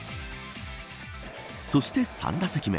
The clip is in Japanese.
そして、３打席目